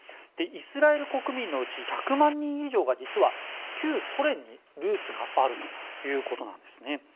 イスラエル国民のうち１００万人以上が実は旧ソ連にルーツがあるということなんですね。